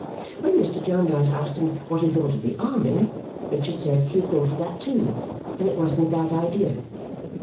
When Mr. Jarndyce asked him what he thought of the Army, Richard said he had thought of that, too, and it wasn't a bad idea.